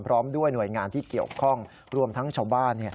พร้อมด้วยหน่วยงานที่เกี่ยวข้องรวมทั้งชาวบ้าน